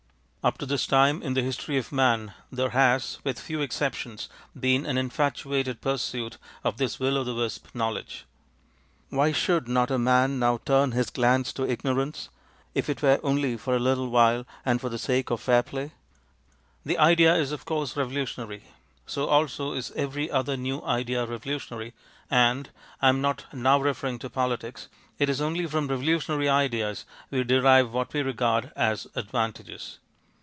Up to this time in the history of man there has, with few exceptions, been an infatuated pursuit of this will oŌĆÖ the wisp, knowledge. Why should not man now turn his glance to ignorance, if it were only for a little while and for the sake of fair play? The idea is of course revolutionary, so also is every other new idea revolutionary, and (I am not now referring to politics) it is only from revolutionary ideas we derive what we regard as advantages.